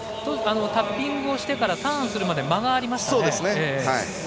タッピングしてからターンするまで間がありましたね。